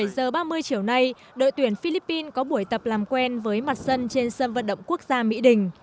bảy giờ ba mươi chiều nay đội tuyển philippines có buổi tập làm quen với mặt sân trên sân vận động quốc gia mỹ đình